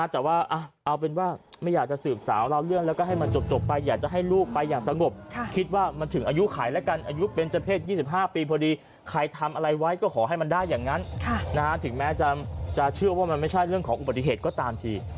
แต่ว่าเอาเป็นว่าไม่อยากจะสืบสาวเล่าเรื่องแล้วก็ให้มันจบไปอยากจะให้ลูกไปอย่างสงบคิดว่ามันถึงอายุขายแล้วกันอายุเป็นเจ้าเพศ๒๕ปีพอดีใครทำอะไรไว้ก็ขอให้มันได้อย่างนั้นถึงแม้จะเชื่อว่ามันไม่ใช่เรื่องของอุบัติเหตุก็ตามที